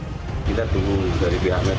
ayo kita tunggu dari pihaknya tuh